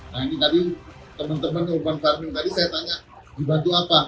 nah ini tadi teman teman korban farming tadi saya tanya dibantu apa